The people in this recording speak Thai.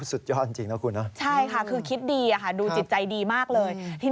คุณพีชบอกไม่อยากให้เป็นข่าวดังเหมือนหวยโอนละเวง๓๐ใบจริงและก็รับลอตเตอรี่ไปแล้วด้วยนะครับ